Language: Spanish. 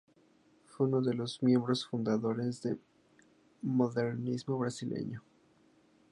Fue uno de los miembros fundadores del modernismo brasileño.